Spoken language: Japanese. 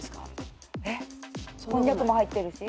えっこんにゃくも入ってるし。